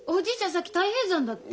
さっき太平山だって。